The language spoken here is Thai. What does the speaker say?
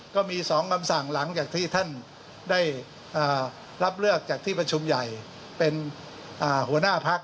ก็มี๒คำสั่งหลังจากที่ท่านได้รับเลือกจากที่ประชุมใหญ่เป็นหัวหน้าพัก